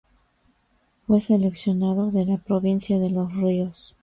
Fue seleccionado de la provincia de Los Ríos.